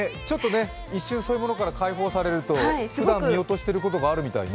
一瞬そういうものから解放されるとふだん見通していることがあるみたいね。